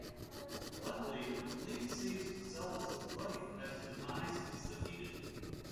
Luckily, Link saves Zelda's life as Demise is defeated.